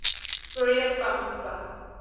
Florida Pampa.